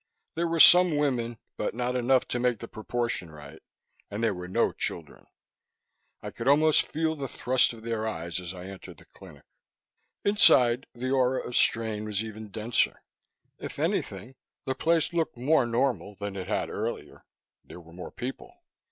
There were some women but not enough to make the proportion right. And there were no children. I could almost feel the thrust of their eyes as I entered the clinic. Inside, the aura of strain was even denser. If anything, the place looked more normal than it had earlier; there were more people.